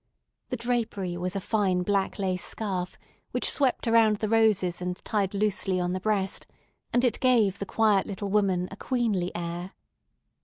The drapery was a fine black lace scarf, which swept around the roses and tied loosely on the breast; and it gave the quiet little woman a queenly air.